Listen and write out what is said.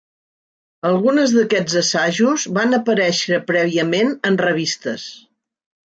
Algunes d'aquests assajos van aparèixer prèviament en revistes.